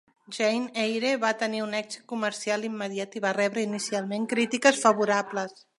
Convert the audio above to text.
"Jane Eyre" va tenir un èxit comercial immediat i va rebre inicialment crítiques favorables.